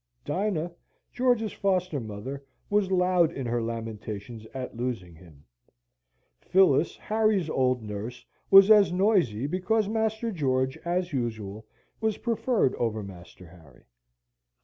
Dinah, George's foster mother, was loud in her lamentations at losing him; Phillis, Harry's old nurse, was as noisy because Master George, as usual, was preferred over Master Harry.